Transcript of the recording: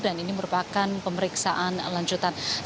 dan ini merupakan pemeriksaan lanjutannya